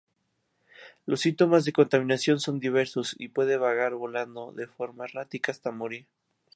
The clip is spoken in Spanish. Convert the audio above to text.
Los síntomas de contaminación son diversos, pueden vagar volando de forma errática hasta morir.